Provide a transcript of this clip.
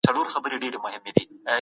په خطرناک وخت کي ځان ساتنه ډېره مهمه ده.